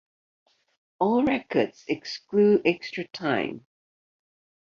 All records exclude extra time.